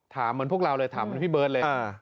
เหมือนพวกเราเลยถามเหมือนพี่เบิร์ตเลย